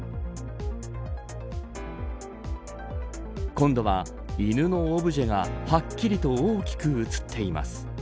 今度は、犬のオブジェがはっきりと大きく映っています。